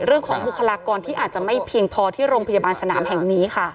บุคลากรที่อาจจะไม่เพียงพอที่โรงพยาบาลสนามแห่งนี้ค่ะ